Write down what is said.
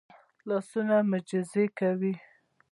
لاسونه معجزې کوي